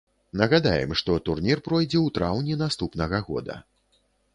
Нагадаем, што турнір пройдзе ў траўні наступнага года.